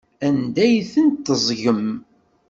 Anda ay tent-teẓẓgem?